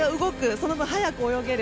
その分、速く泳げる。